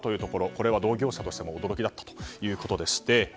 これは同業者としても驚きだったということでして。